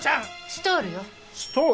ストール？